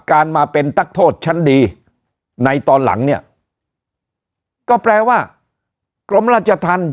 การมาเป็นนักโทษชั้นดีในตอนหลังเนี่ยก็แปลว่ากรมราชธรรม